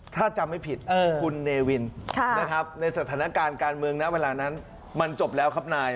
ถ้าจำไม่ผิดคุณเนวินนะครับในสถานการณ์การเมืองนะเวลานั้นมันจบแล้วครับนาย